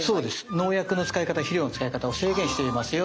農薬の使い方肥料の使い方を制限していますよと。